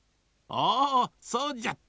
あぁそうじゃった。